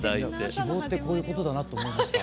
希望ってこういうことだなって思いました。